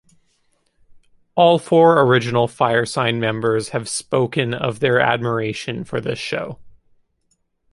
All four original Firesign members have spoken of their admiration for this show.